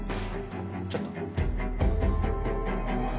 ちょっと。